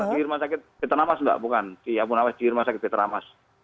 di rumah sakit petra mas mbak bukan di abu nawas di rumah sakit petra mas